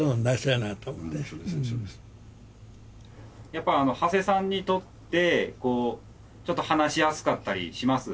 やっぱ長谷さんにとってちょっと話しやすかったりします？